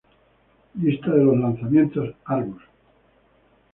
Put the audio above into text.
Lista de los lanzamientos Argus.